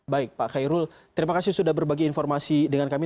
baik pak khairul terima kasih sudah berbagi informasi dengan kami